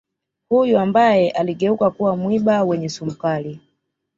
huyu ambaye aligeuka kuwa mwiba wenye sumu kali